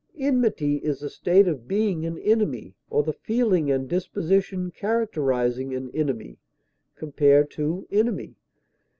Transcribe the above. Enmity is the state of being an enemy or the feeling and disposition characterizing an enemy (compare ENEMY).